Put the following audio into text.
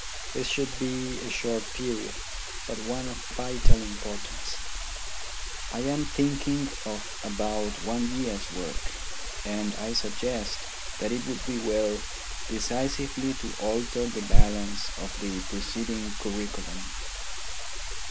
This should be a short period, but one of vital import ance. I am thinking of about one year's work, and I suggest that it would be well decisively to alter the balance of the preceding curriculum.